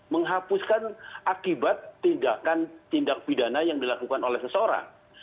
menghapuskan akibat tindakan tindak pidana yang dilakukan oleh seseorang